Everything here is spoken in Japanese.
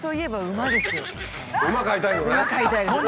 馬飼いたいです。